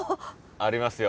ありますよ。